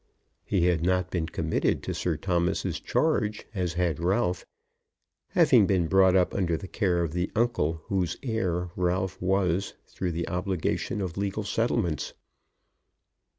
He had not been committed to Sir Thomas's charge, as had Ralph, having been brought up under the care of the uncle whose heir Ralph was through the obligation of legal settlements.